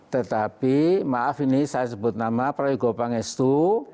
tetapi maaf ini saya sebut nama prajurit gopangestu